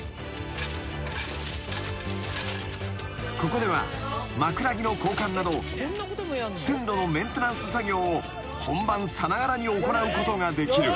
［ここでは枕木の交換など線路のメンテナンス作業を本番さながらに行うことができる］